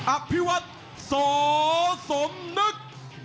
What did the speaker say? อัพพิวัตรสสมนึก